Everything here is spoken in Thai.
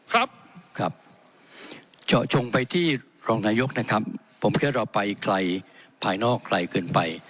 ครับครับเจาะจงไปที่รองนายกนะครับผมแค่เราไปไกลภายนอกไกลเกินไป